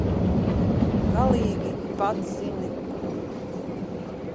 Galīgi, pats zini, kur.